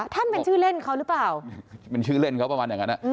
เป็นชื่อเล่นเขาหรือเปล่าเป็นชื่อเล่นเขาประมาณอย่างนั้น